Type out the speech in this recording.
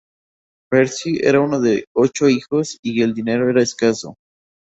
Percy era uno de ocho hijos y el dinero era escaso.